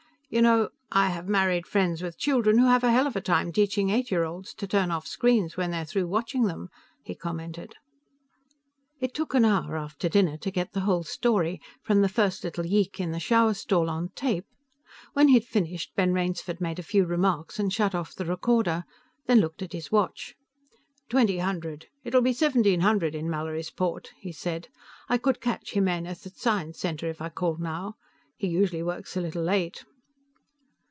"You know, I have married friends with children who have a hell of a time teaching eight year olds to turn off screens when they're through watching them," he commented. It took an hour, after dinner, to get the whole story, from the first little yeek in the shower stall, on tape. When he had finished, Ben Rainsford made a few remarks and shut off the recorder, then looked at his watch. "Twenty hundred; it'll be seventeen hundred in Mallorysport," he said. "I could catch Jimenez at Science Center if I called now. He usually works a little late."